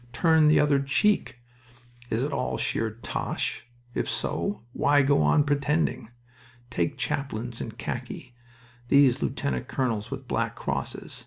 'Turn the other cheek.'. .. Is it all sheer tosh? If so, why go on pretending?... Take chaplains in khaki these lieutenant colonels with black crosses.